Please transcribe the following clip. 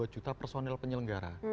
delapan dua juta personel penyelenggara